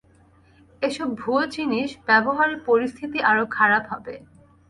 এসব ভুয়ো জিনিস ব্যবহারে পরিস্থিতি আরো খারাপ হবে।